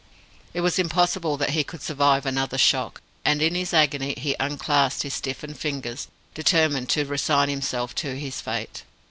It was impossible that he could survive another shock, and in his agony he unclasped his stiffened fingers, determined to resign himself to his fate.